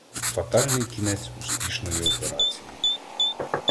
Фатальний кінець успішної операції